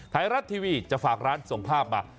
ไทยรัฐทีวีจะฝากร้านส่งภาพมา